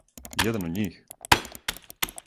Један од њих?